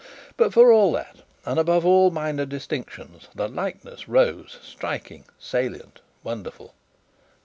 But, for all that, and above all minor distinctions, the likeness rose striking, salient, wonderful.